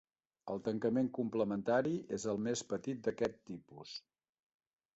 El tancament complementari és el més petit d'aquest tipus.